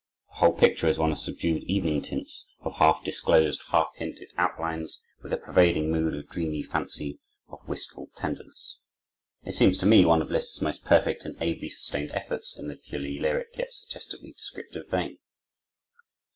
The whole picture is one of subdued evening tints, of half disclosed, half hinted outlines, with a pervading mood of dreamy fancy, of wistful tenderness. It seems to me one of Liszt's most perfect and ably sustained efforts in the purely lyric, yet suggestively descriptive vein.